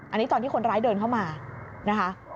อันนี้ตอนที่คนร้ายเดินเข้ามานะคะ